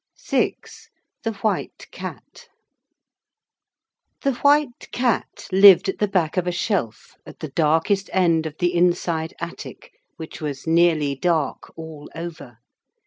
VI THE WHITE CAT The White Cat lived at the back of a shelf at the darkest end of the inside attic which was nearly dark all over.